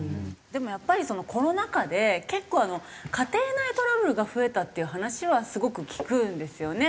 でもやっぱりコロナ禍で結構家庭内トラブルが増えたっていう話はすごく聞くんですよね。